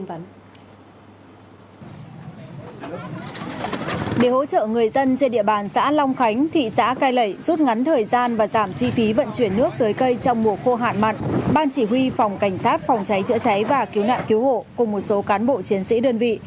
phòng cảnh sát phòng cháy chữa cháy và cứu nạn cứu hộ cùng một số cán bộ chiến sĩ đơn vị